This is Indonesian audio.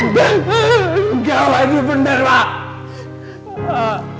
engga wadi bener ma